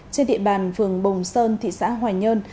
trên địa bàn phường bồng sơn thị xã hoài nhơn